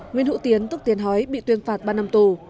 nguyễn hữu tiến tức tiến hói bị tuyên phạt ba năm tù